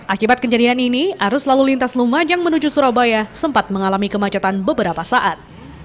akibat kejadian ini arus lalu lintas lumajang menuju surabaya sempat mengalami kemacetan beberapa saat